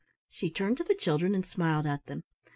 She turned to the children and smiled at them.